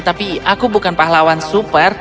tapi aku bukan pahlawan super